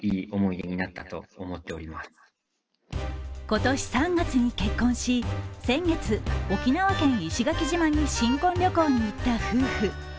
今年３月に結婚し、先月、沖縄県石垣島に新婚旅行に行った夫婦。